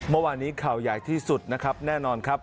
เมื่อวานนี้ข่าวใหญ่ที่สุดนะครับแน่นอนครับ